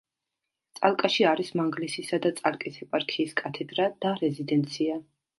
წალკაში არის მანგლისისა და წალკის ეპარქიის კათედრა და რეზიდენცია.